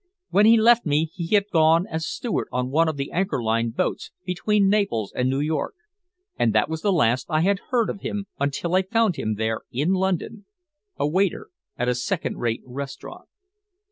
When he left me he had gone as steward on one of the Anchor Line boats between Naples and New York, and that was the last I had heard of him until I found him there in London, a waiter at a second rate restaurant.